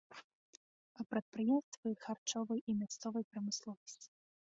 Прадпрыемствы харчовай і мясцовай прамысловасці.